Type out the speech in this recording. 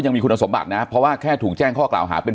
ยังมีคุณสมบัตินะเพราะว่าแค่ถูกแจ้งข้อกล่าวหาเป็น